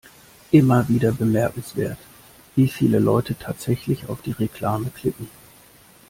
Immer wieder bemerkenswert, wie viele Leute tatsächlich auf die Reklame klicken.